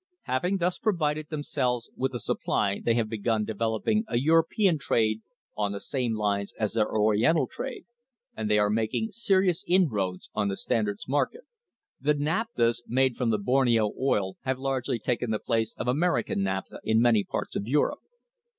Having thus provided themselves with a supply they have begun developing a European trade on the same lines as their Oriental trade, and they are making serious inroads on the Standard's market. The naphthas made from the Borneo oil have largely taken the place of American naphtha in many parts of Europe.